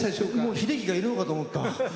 秀樹がいるのかと思った。